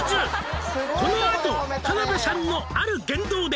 「このあと田辺さんのある言動で」